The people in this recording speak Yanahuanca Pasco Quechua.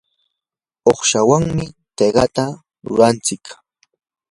uqshawanmi tikata rurantsik.